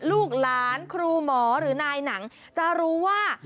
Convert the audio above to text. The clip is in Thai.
ลูกหลานครูหมอหรือนายหนังจะรู้ว่า